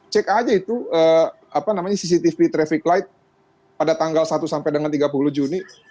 cek aja itu cctv traffic light pada tanggal satu sampai dengan tiga puluh juni